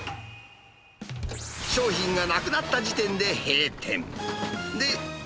商品がなくなった時点で閉店。